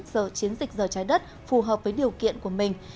do chiến dịch rời trái đất phù hợp với điều kiện của mình